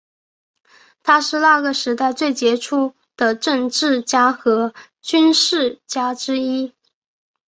他是那个时代最杰出的政治家和军事家之一。